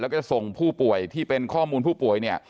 แล้วก็ส่งผู้ป่วยที่เป็นข้อมูลผู้ป่วยเนี่ย